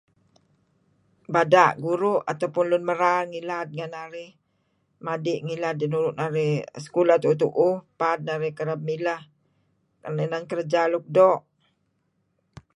Bada' guru' atau pun lun merar ngilad ngan narih madi' ngilad nuru' narih sekulah tu'uh-tu'uh paad narih kereb mileh inan kerja luk doo'